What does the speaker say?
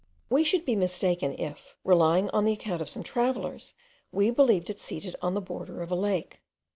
We should be mistaken if, relying on the account of some travellers, we believed it seated on the border of a lake.